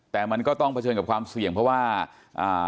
แต่มันก็ต้องเผชิญกับความเสี่ยงเพราะว่าอ่า